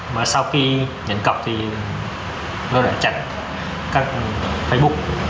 mà sau khi nhận cọc thì tôi đã chặn các facebook